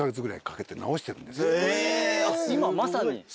今まさに。